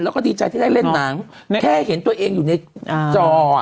แล้วก็ดีใจที่ได้เล่นหนังแค่เห็นตัวเองอยู่ในจอ